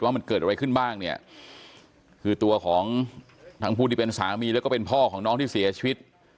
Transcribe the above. ว่ามันเกิดอะไรขึ้นบ้างเนี่ยคือตัวของทั้งผู้ที่เป็นสามีแล้วก็เป็นพ่อของน้องที่เสียชีวิต